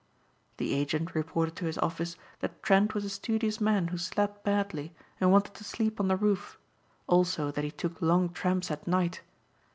The agent reported to his office that Trent was a studious man who slept badly and wanted to sleep on the roof; also that he took long tramps at night.